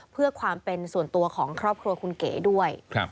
เพื่อความเป็นส่วนตัวของครอบครัวคุณเก๋ด้วย